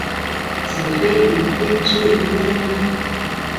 子非魚焉知魚樂呀